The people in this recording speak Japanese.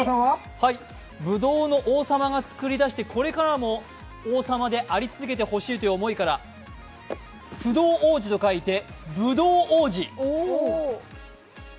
ぶどうの王様が作り出してこれからも王様であり続けてほしいという思いから不動王子と書いてぶどうおうじ。